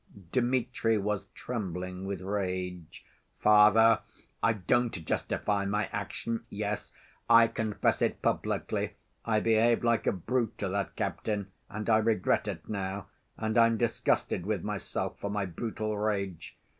Dmitri was trembling with rage. "Father, I don't justify my action. Yes, I confess it publicly, I behaved like a brute to that captain, and I regret it now, and I'm disgusted with myself for my brutal rage.